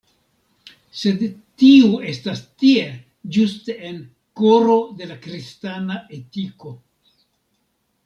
Sed tiu estas tie, ĝuste en “koro de la kristana etiko”.